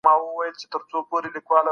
مغولو د خپلو کړنو له امله بخښنه وغوښته.